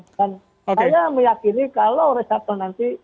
dan saya meyakini kalau reshuffle nanti